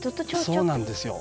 そうなんですよ。